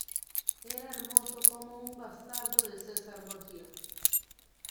era hermoso como un bastardo de César Borgia.